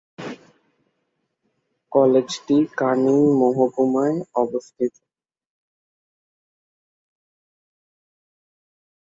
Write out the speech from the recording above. কলেজটি ক্যানিং মহকুমায় অবস্থিত।